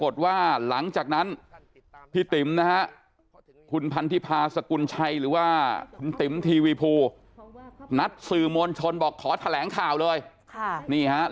ที่พี่ติ๋มทีวีฟูนัดสื่อโมชนบอกขอแถลงข่าวเลยนะครับ